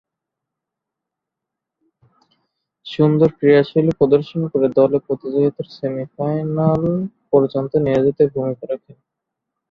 সুন্দর ক্রীড়াশৈলী প্রদর্শন করে দলে প্রতিযোগিতার সেমি-ফাইনাল পর্যন্ত নিয়ে যেতে ভূমিকা রাখেন।